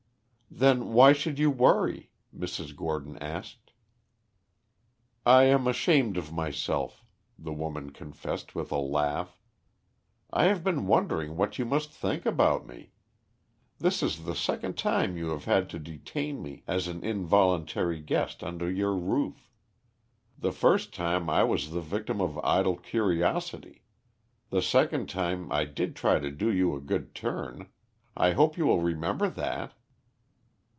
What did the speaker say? "Then why should you worry?" Mrs. Gordon asked. "I am ashamed of myself," the woman confessed with a laugh. "I have been wondering what you must think about me. This is the second time you have had to detain me as an involuntary guest under your roof. The first time I was the victim of idle curiosity; the second time I did try to do you a good turn. I hope you will remember that."